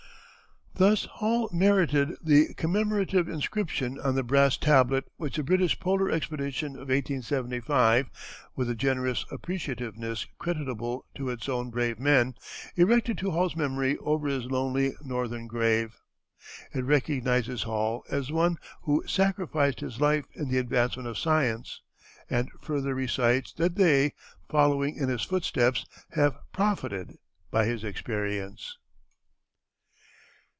Thus Hall merited the commemorative inscription on the brass tablet which the British polar expedition of 1875, with a generous appreciativeness creditable to its own brave men, erected to Hall's memory over his lonely northern grave. It recognizes Hall as one "who sacrificed his life in the advancement of science," and further recites that they, "following in his footsteps, have profited by his experience."